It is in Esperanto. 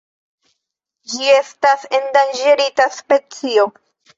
Ĝi estas endanĝerita specio.